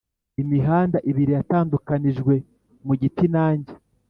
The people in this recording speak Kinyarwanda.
imihanda ibiri yatandukanijwe mu giti, nanjye,